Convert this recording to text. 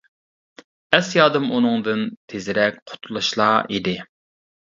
ئەس يادىم ئۇنىڭدىن تېزرەك قۇتۇلۇشلا ئىدى.